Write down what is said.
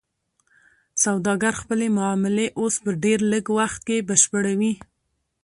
سوداګر خپلې معاملې اوس په ډیر لږ وخت کې بشپړوي.